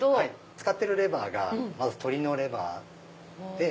使ってるレバーが鶏のレバーで。